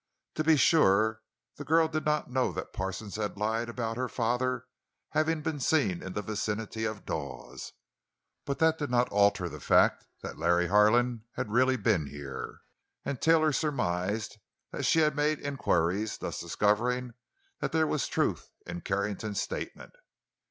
To be sure, the girl did not know that Parsons had lied about her father having been seen in the vicinity of Dawes; but that did not alter the fact that Larry Harlan had really been here; and Taylor surmised that she had made inquiries, thus discovering that there was truth in Carrington's statement.